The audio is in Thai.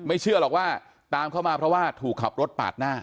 เชื่อหรอกว่าตามเข้ามาเพราะว่าถูกขับรถปาดหน้า